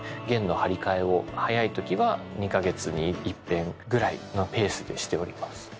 弦の張り替えを早いときは２か月にいっぺんくらいのペースでしております。